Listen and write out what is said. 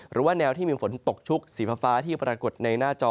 หรือว่าแนวที่มีฝนตกชุกสีฟ้าที่ปรากฏในหน้าจอ